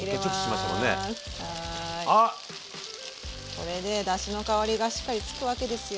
これでだしの香りがしっかりつくわけですよ。